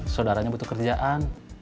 saudaranya butuh kerjaan